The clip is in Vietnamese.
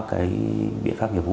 cái biện pháp hiệp vụ